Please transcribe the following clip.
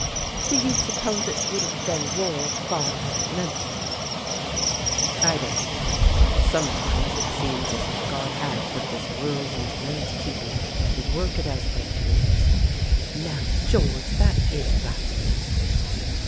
"Do you suppose it would have been war if God hadn't meant it?" "I don't know. Sometimes it seems as if God had put this world into men's keeping to work it as they pleased." "Now, George, that is blasphemy."